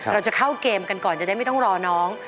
เราจะเข้าเกมกันก่อนจะได้ไม่ต้องรอน้อง